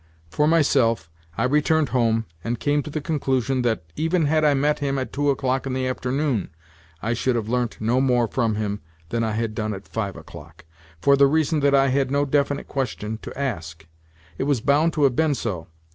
For myself, I returned home, and came to the conclusion that, even had I met him at two o'clock in the afternoon, I should have learnt no more from him than I had done at five o'clock, for the reason that I had no definite question to ask. It was bound to have been so.